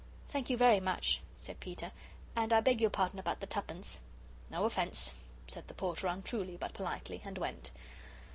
"Thank you very much," said Peter, "and I beg your pardon about the twopence." "No offence," said the Porter, untruly but politely, and went.